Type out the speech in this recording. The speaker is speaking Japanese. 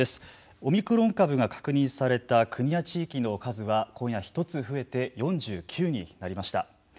オミクロン株が確認された国や地域の数は今夜１つ増えて４９になりました。